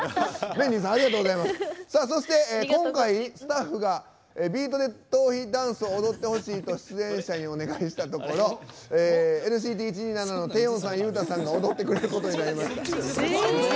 そして、今回、スタッフが「ビートＤＥトーヒ」ダンスを踊ってほしいと出演者にお願いしたところＮＣＴ１２７のテヨンさん、ユウタさんが踊ってくれることになりました。